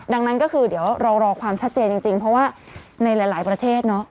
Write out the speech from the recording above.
ดังนั้นก็คือเดี๋ยวเรารอความชัดเจนจริงเพราะว่าในหลายประเทศเนอะ